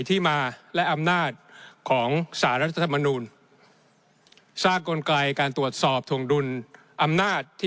ที่มาและอำนาจของสารรัฐธรรมนูลสร้างกลไกการตรวจสอบถวงดุลอำนาจที่